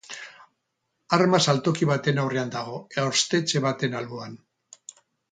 Arma saltoki baten aurrean dago, ehorztetxe baten alboan.